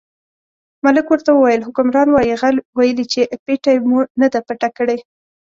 ملک ورته وویل حکمران وایي غل ویلي چې پېټۍ مو نه ده پټه کړې.